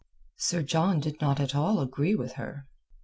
Sir John did not at all agree with her.